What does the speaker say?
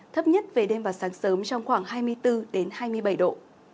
thấp nhất về đêm và sáng sớm trong khoảng hai mươi bốn hai mươi bảy độ